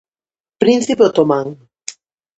Príncipe otomán.